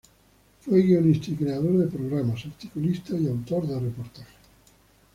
Fue guionista y creador de programas, articulista y autor de reportajes.